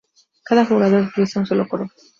Cada jugador utiliza un solo color.